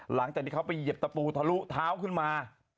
หลังจากที่เขาไปเหยียบตะปูทะลุเท้าขึ้นมา